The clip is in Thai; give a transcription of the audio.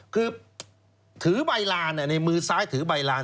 คือถือใบลานในมือซ้ายถือใบลาน